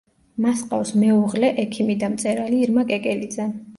მას ჰყავს მეუღლე ექიმი და მწერალი ირმა კეკელიძე.